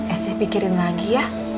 esi pikirin lagi ya